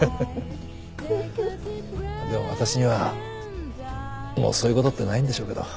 でも私にはもうそういうことってないんでしょうけど。